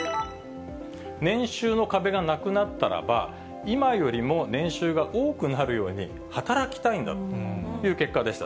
年収の壁がなくなったらば、今よりも年収が多くなるように働きたいんだという結果でした。